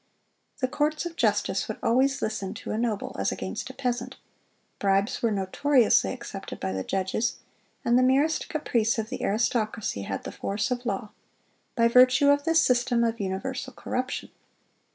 The courts of justice would always listen to a noble as against a peasant; bribes were notoriously accepted by the judges; and the merest caprice of the aristocracy had the force of law, by virtue of this system of universal corruption.